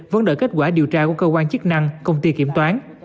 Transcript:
vấn đợi kết quả điều tra của cơ quan chức năng công ty kiểm toán